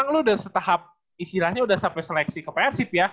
lu udah setahap istilahnya udah sampai seleksi ke persib ya